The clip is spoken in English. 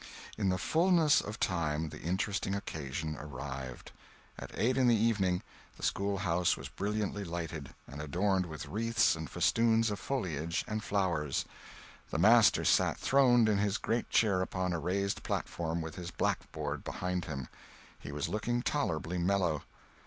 In the fulness of time the interesting occasion arrived. At eight in the evening the schoolhouse was brilliantly lighted, and adorned with wreaths and festoons of foliage and flowers. The master sat throned in his great chair upon a raised platform, with his blackboard behind him. He was looking tolerably mellow.